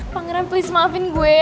pangeran please maafin gue